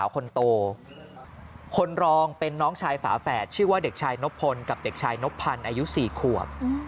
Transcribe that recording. คนโตคนรองเป็นน้องชายฝาแฝดชื่อว่าเด็กชายนบพลกับเด็กชายนบพันธ์อายุ๔ขวบ